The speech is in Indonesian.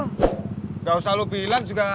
tidak usah lo bilang juga